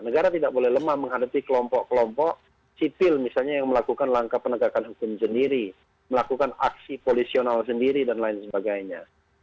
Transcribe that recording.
negara tidak boleh lemah menghadapi kelompok kelompok sipil misalnya yang melakukan langkah penegakan hukum sendiri melakukan aksi polisional sendiri dan lain sebagainya